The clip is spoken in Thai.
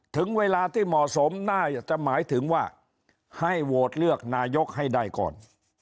ถึงเวลาที่เหมาะสมน่าจะหมายถึงว่าให้โหวตเลือกนายกให้ได้ก่อน